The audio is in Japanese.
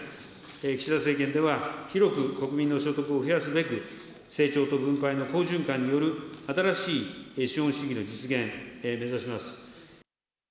岸田政権では、広く国民の所得を増やすべく、成長と分配の好循環による新しい資本主義の実現、目指します。